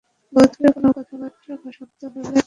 বহুদূরে কোন কথাবার্তা বা শব্দ হইলে তাহাও তিনি শুনিতে পান।